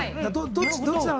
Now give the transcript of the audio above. どっちなの？